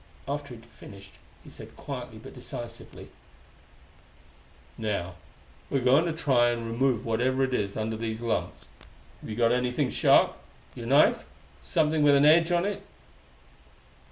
After he had finished he said quietly but decisively: "Now, we're going to try and remove whatever is under these lumps. Have you got anything sharp? Your knife? Something with an edge on it?"